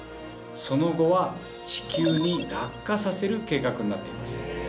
その後は地球に落下させる計画になっています。